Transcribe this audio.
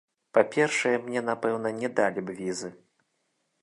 Па-першае, мне, напэўна, не далі б візы.